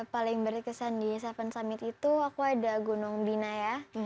paling berkesan di seven summit itu aku ada gunung bina ya